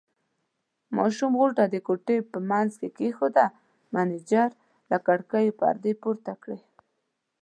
ماشوم غوټه د کوټې په منځ کې کېښوول، مېنېجر له کړکیو پردې پورته کړې.